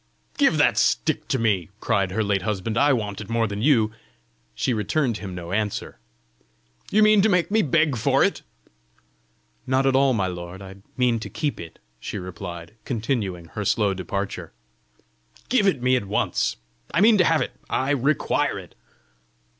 "Give that stick to me," cried her late husband; "I want it more than you." She returned him no answer. "You mean to make me beg for it?" "Not at all, my lord. I mean to keep it," she replied, continuing her slow departure. "Give it me at once; I mean to have it! I require it."